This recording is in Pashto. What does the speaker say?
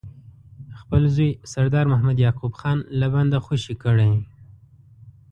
خپل زوی سردار محمد یعقوب خان له بنده خوشي کړي.